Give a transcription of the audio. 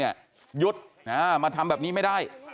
หยุดมาทำแบบนี้ไม่ได้